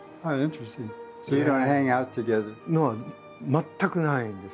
全くないんです。